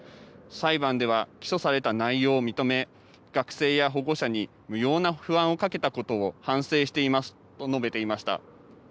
裁判では起訴された内容を認め学生や保護者に無用な不安をかけたことを反省していますと述べていました。